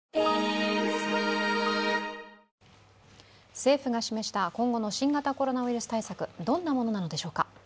政府が示した今後の新型コロナウイルス対策、どんなものなのでしょうか。